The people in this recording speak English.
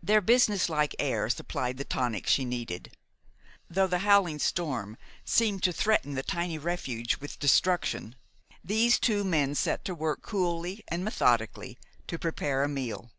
Their businesslike air supplied the tonic she needed. Though the howling storm seemed to threaten the tiny refuge with destruction, these two men set to work, coolly and methodically, to prepare a meal.